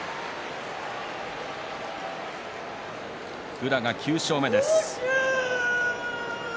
宇良９勝目です。